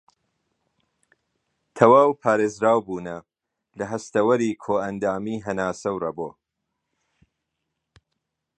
تەواو پارێزراوبوونە لە هەستەوەری کۆئەندامی هەناسە و رەبۆ